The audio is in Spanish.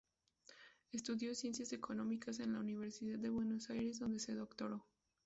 Estudió Ciencias Económicas en la Universidad de Buenos Aires, de donde se doctoró.